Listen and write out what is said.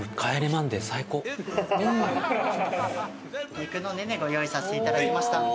肉のねねご用意させていただきました。